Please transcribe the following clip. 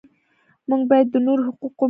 موږ باید د نورو حقوق ومنو.